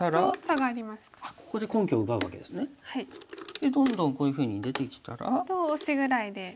でどんどんこういうふうに出てきたら。とオシぐらいで。